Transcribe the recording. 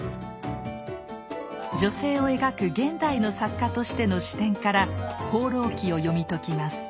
女性を描く現代の作家としての視点から「放浪記」を読み解きます。